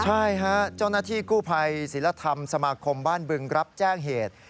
ใช่ฮะเจ้าหน้าที่กู้ภัยศิลธรรมสมาคมบ้านบึงรับแจ้งเหตุ